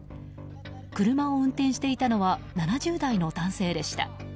車を運転していたのは７０代の男性でした。